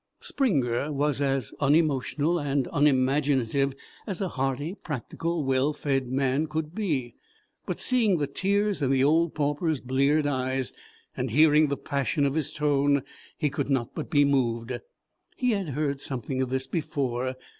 Springer was as unemotional and unimaginative as a hearty, practical, well fed man could be, but seeing the tears in the old pauper's bleared eyes, and hearing the passion of his tone, he could not but be moved. He had heard something of this before.